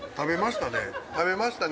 食べましたね。